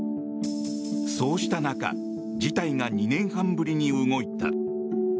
そうした中事態が２年半ぶりに動いた。